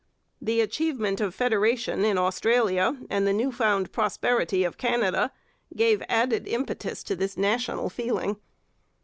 The achievement of federation in Australia and the new found prosperity of Canada gave added impetus to the national feeling.